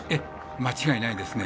間違いないですね。